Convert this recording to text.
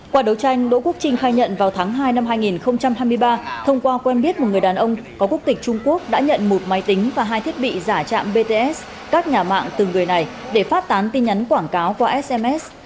qua đấu tranh đỗ quốc trinh khai nhận vào tháng hai năm hai nghìn hai mươi ba thông qua quen biết một người đàn ông có quốc tịch trung quốc đã nhận một máy tính và hai thiết bị giả trạm bts các nhà mạng từng người này để phát tán tin nhắn quảng cáo qua sms